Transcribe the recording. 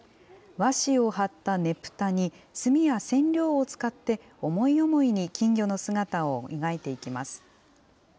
和紙を貼ったねぷたに、墨や染料を使って思い思いに金魚の姿を描いていきます。